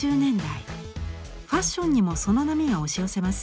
ファッションにもその波が押し寄せます。